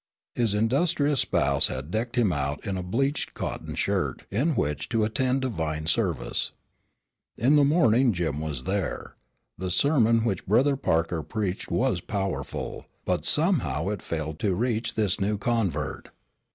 His industrious spouse had decked him out in a bleached cotton shirt in which to attend divine service. In the morning Jim was there. The sermon which Brother Parker preached was powerful, but somehow it failed to reach this new convert.